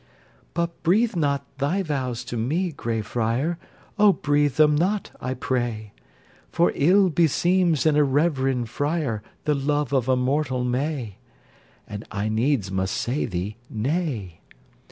But breathe not thy vows to me, grey friar, Oh, breathe them not, I pray; For ill beseems in a reverend friar, The love of a mortal may; And I needs must say thee nay.